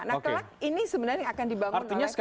nah karena ini sebenarnya akan dibangun oleh pemerintah